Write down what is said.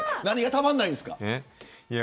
何が、たまんないんですか。